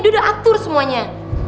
dia udah atur semuanya